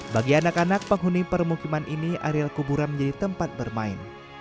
bagi anak anak penghuni permukiman ini areal kuburan menjadi tempat bermain